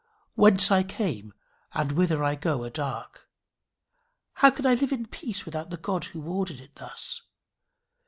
Whence I came and whither I go are dark: how can I live in peace without the God who ordered it thus?